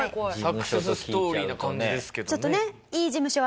サクセスストーリーな感じですけどね。